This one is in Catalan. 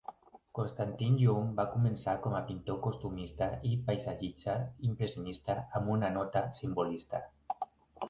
Konstantin Yuon va començar com a pintor costumista i paisatgista impressionista amb una nota simbolista.